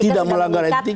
tidak melanggar etik